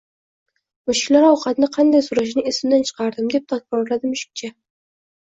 Mushuklar ovqatni qanday soʻrashini esimdan chiqardim, deb takrorladi mushukcha